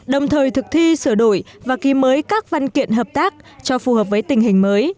đồng thời thực thi sửa đổi và ký mới các văn kiện hợp tác cho phù hợp với tình hình mới